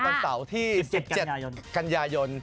วันเสาร์ที่๑๗กันยายน